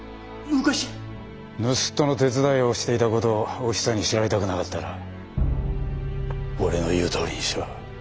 盗人の手伝いをしていた事をおひさに知られたくなかったら俺の言うとおりにしろ。